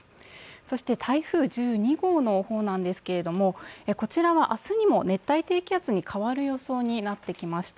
そして台風１２号の方なんですけれどもこちらは明日にも熱帯低気圧に変わる予想になってきました。